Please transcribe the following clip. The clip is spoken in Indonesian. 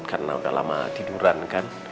karena udah lama tiduran kan